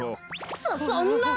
そそんな！